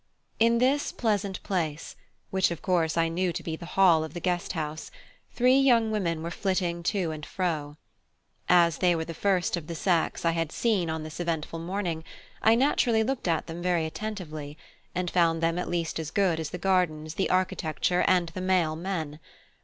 In this pleasant place, which of course I knew to be the hall of the Guest House, three young women were flitting to and fro. As they were the first of the sex I had seen on this eventful morning, I naturally looked at them very attentively, and found them at least as good as the gardens, the architecture, and the male men.